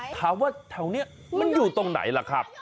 ถามว่าแถวนี้มันอยู่ตรงไหนล่ะครับ